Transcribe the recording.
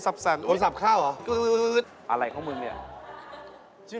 ไปกินกินมากเลยใช่ไหมตนฉัน